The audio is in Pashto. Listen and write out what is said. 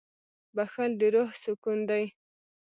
• بښل د روح سکون دی.